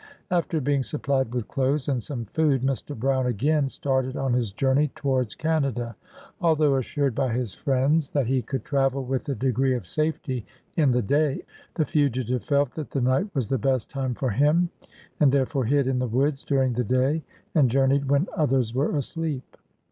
After being supplied with clothes and some food, Mr. Brown again started on his journey towards Canada. Although assured by his friends that he could travel with a degree of safety in the clay, the fugitive felt that the night was the best time for him, and therefore hid in the woods during the day. and journeyed when others were asleep.